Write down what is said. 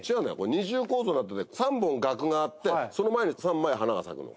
二重構造になってて３本がくがあってその前に３枚花が咲くの。